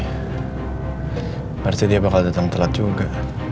harusnya dia bakal dateng telat juga